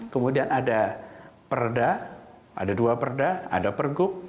kemudian ada perda ada dua perda ada pergub